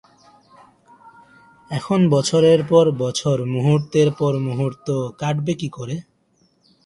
এখন বছরের পর বছর মূহূর্তের পর মূহূর্ত কাটবে কী করে?